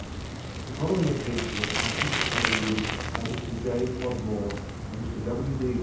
The following adventure was participated in by Mr. J. Podmore and Mr. W. D.